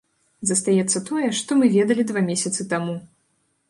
Застаецца тое, што мы ведалі два месяцы таму.